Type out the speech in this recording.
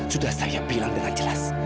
sudah saya bilang dengan jelas